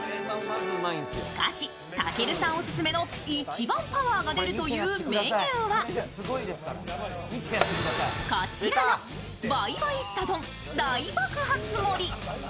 しかし、たけるさんオススメの一番パワーが出るというメニューはこちらの倍倍すた丼大爆発盛り。